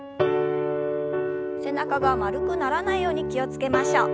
背中が丸くならないように気を付けましょう。